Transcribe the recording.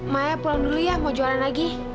maya pulang dulu ya mau jualan lagi